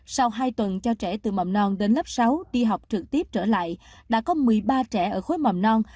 sau hai tuần cho trẻ từ mầm non đến lớp sáu đi học trực tiếp trở lại đã có một mươi ba trẻ ở khối mầm non